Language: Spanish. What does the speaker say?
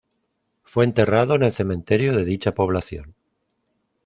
Fue enterrado en el cementerio de dicha población.